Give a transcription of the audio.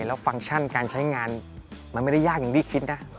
แล้วฟังก์ชั่นการใช้งานมันไม่ได้ยากอย่างที่คิดนะ